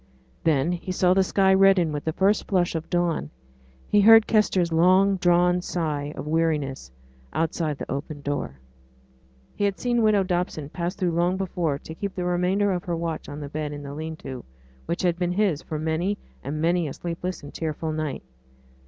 Then he saw the sky redden with the first flush of dawn; he heard Kester's long drawn sigh of weariness outside the open door. He had seen widow Dobson pass through long before to keep the remainder of her watch on the bed in the lean to, which had been his for many and many a sleepless and tearful night.